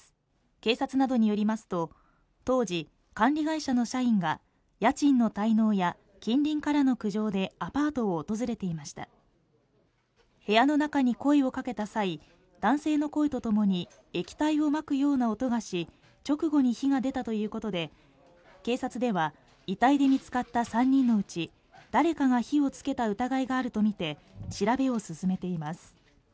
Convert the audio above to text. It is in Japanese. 警察などによりますと当時、管理会社の社員が家賃の滞納や近隣からの苦情でアパートを訪れていました部屋の中に声をかけた際男性の声とともに液体をまくような音がし直後に火が出たということで警察では遺体で見つかった３人のうち誰かが火をつけた疑いがあるとみて調べを進めています